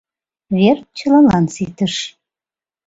Вер чылалан ситыш.